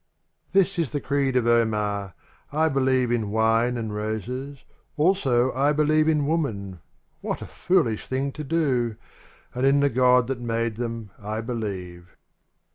s HIS is the creed of Omar : I believe In Wine and Roses, also I believe In Woman — (what a foolish thing to do !) And in the God that made them I believe.